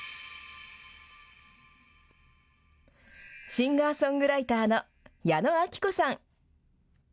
シンガーソングライターの矢野顕子さん。